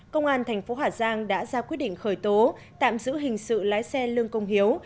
công an thành phố hà giang đã ra quyết định khởi tố tạm giữ hình sự lái xe lương công hiếu